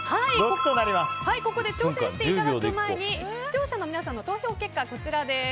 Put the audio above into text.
ここで挑戦していただく前に視聴者の皆さんの投票結果です。